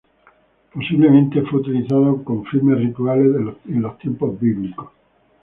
Posiblemente fue utilizada con fines rituales en los tiempos bíblicos.